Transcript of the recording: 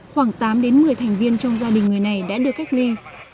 khoảng tám đến một mươi thành viên trong gia đình người này đã được cách ly